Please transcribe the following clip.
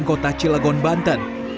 kota cilegon banten